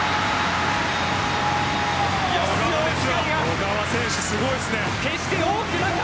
小川選手、すごいですね。